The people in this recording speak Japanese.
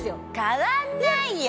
変わんないよ！